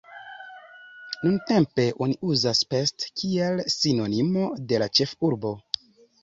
Nuntempe oni uzas "Pest", kiel sinonimo de la ĉefurbo.